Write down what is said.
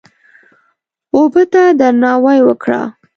اوبه ته درناوی وکړه.